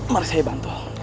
mari saya bantu